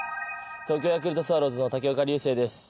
東京ヤクルトスワローズの武岡龍世です。